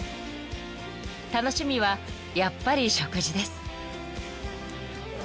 ［楽しみはやっぱり食事です］